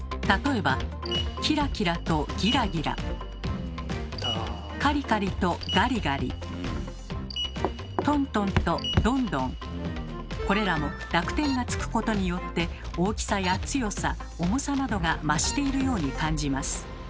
例えばこれらも濁点がつくことによって大きさや強さ重さなどが増しているように感じます。